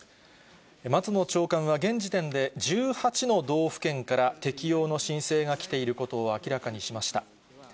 松野長官は現時点で１８の道府県から適用の申請が来ていることを明らかにしました。